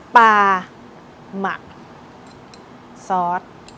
ปลาหมักซอส